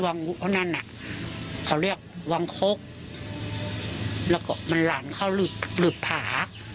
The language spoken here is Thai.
วังนั่นน่ะเขาเรียกวังคกแล้วก็มันหลั่นเข้าหลืบหลืบผา